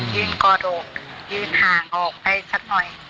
ยืนกอดอกยืนห่างออกไปสักหน่อย